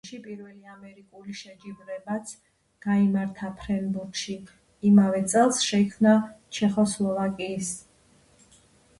ბრუკლინში პირველი ამერიკული შეჯიბრებაც გაიმართა ფრენბურთში. იმავე წელს შეიქმნა ჩეხოსლოვაკიის